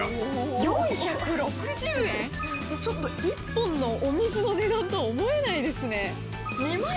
１本のお水の値段とは思えないですね。